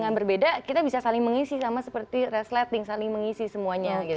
karena kita bisa saling mengisi sama seperti resleting saling mengisi semuanya gitu